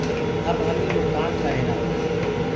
اب همي وو ڪآم ڪر رهيرآ هونٚ۔